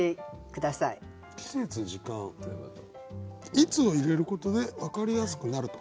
「いつ」を入れることで分かりやすくなると。